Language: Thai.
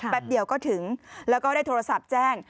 เดียวก็ถึงแล้วก็ได้โทรศัพท์แจ้ง